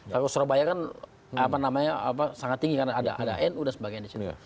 kalau surabaya kan apa namanya sangat tinggi karena ada n dan sebagainya